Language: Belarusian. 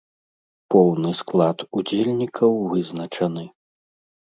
Поўны склад удзельнікаў вызначаны.